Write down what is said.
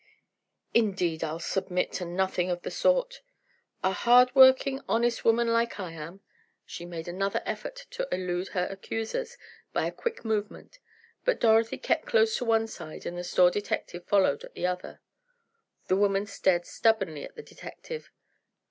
"Indeed, I'll submit to nothing of the sort! A hard working, honest woman like I am!" She made another effort to elude her accusers by a quick movement, but Dorothy kept close to one side and the store detective followed at the other. The woman stared stubbornly at the detective.